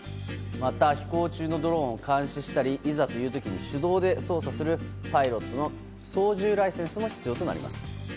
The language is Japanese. また、飛行中のドローンを監視したりいざという時に手動で操作するパイロットの操縦ライセンスも必要となります。